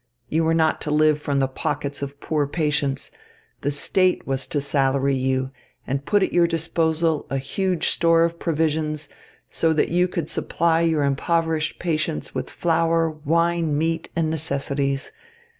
You were not to live from the pockets of poor patients; the State was to salary you and put at your disposal a huge store of provisions, so that you could supply your impoverished patients with flour, wine, meat and necessities.